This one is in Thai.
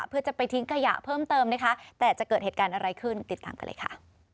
เพื่อจะไปทิ้งขยะเพิ่มเติมนะคะแต่จะเกิดเหตุการณ์อะไรขึ้นติดตามกันเลยค่ะ